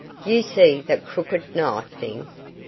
You see that crooked knife thing?"